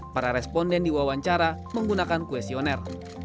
para responden diwawancara menggunakan kuesioner